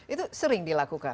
itu sering dilakukan